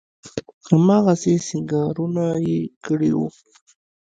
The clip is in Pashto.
هماغسې سينګارونه يې کړي وو.